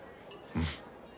うん！